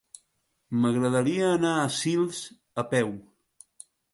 M'agradaria anar a Sils a peu.